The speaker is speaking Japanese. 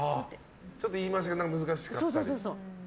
ちょっと言い回しが難しかったり？